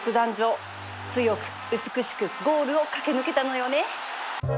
強く美しくゴールを駆け抜けたのよね